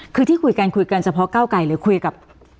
คือที่คุยกันคุยกันเฉพาะเก้าไกลหรือคุยกับ